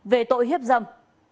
về tội hiếp dâm